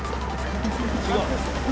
違う？